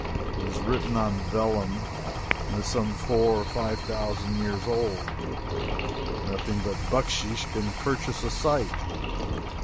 It is written on vellum, and is some four or five thousand years old. Nothing but bucksheesh can purchase a sight.